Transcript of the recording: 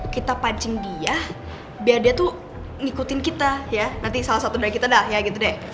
kita pancing dia biar dia tuh ngikutin kita ya nanti salah satu dari kita dah ya gitu deh